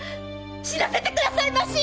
死なせてくださいまし！